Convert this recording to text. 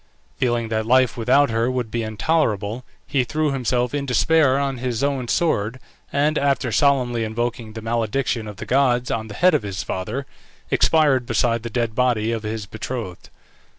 Feeling that life without her would be intolerable, he threw himself in despair on his own sword, and after solemnly invoking the malediction of the gods on the head of his father, expired beside the dead body of his betrothed.